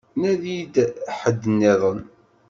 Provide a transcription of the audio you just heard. Nadi-d ḥedd-nniḍen.